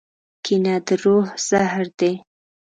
کینه د روح زهر دي.